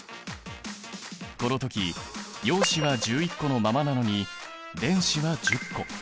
この時陽子は１１個のままなのに電子は１０個。